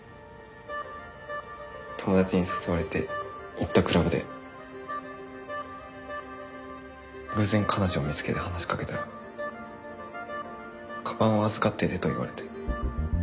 友達に誘われて行ったクラブで偶然彼女を見つけて話しかけたらかばんを預かっててと言われて。